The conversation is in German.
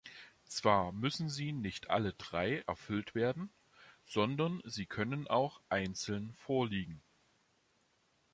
Zwar müssen sie nicht alle drei erfüllt werden, sondern sie können auch einzeln vorliegen.